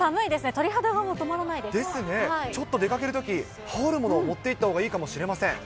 鳥肌がですね、ちょっと出かけるとき、羽織るもの持っていったほうがいいかもしれません。